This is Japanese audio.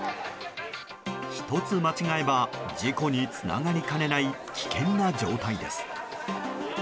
１つ間違えば事故につながりかねない危険な状態です。